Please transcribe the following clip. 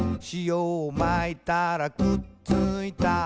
「しおをまいたらくっついた」